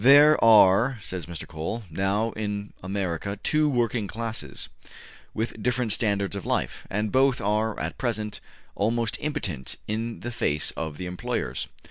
``There are,'' says Mr. Cole, ``now in America two working classes, with different standards of life, and both are at present almost impotent in the face of the employers.